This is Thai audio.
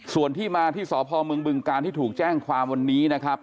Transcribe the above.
ส่วนที่มาที่สพมบึงการที่ถูกแจ้งความวันนี้นะครับ